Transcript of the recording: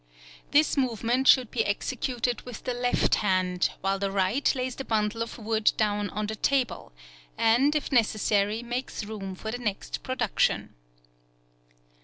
This movement should be executed with the left hand while the right lays the bundle of wood down on the table, and, if necessary, makes room for the next production.